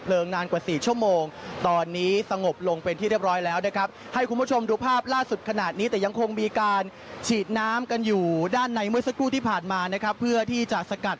เดี๋ยวรายงานสดเข้ามานะครับ